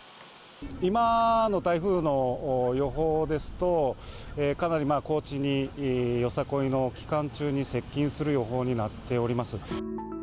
今の台風の予報ですと、かなり高知に、よさこいの期間中に接近する予報になっております。